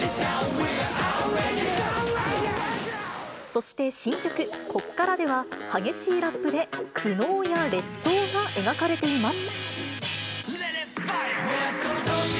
そして新曲、こっからでは、激しいラップで苦悩や劣等が描かれています。